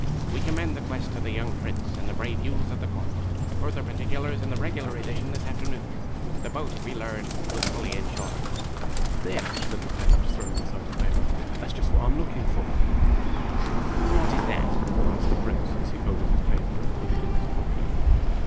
We commend the quest to the young Prince and the brave youths of his court. Further particulars in the regular edition this afternoon. The boat, we learn, was fully insured. "There!' said the Page, throwing aside the paper. "That 's just what I 'm looking for !"" What is that? " asked the Prince, as he folded his paper and put it in his pocket.